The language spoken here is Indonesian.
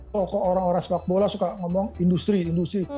tokoh orang orang sepak bola suka ngomong industri industri